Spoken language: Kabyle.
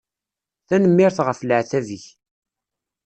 Tanemmirt ɣef leεtab-ik.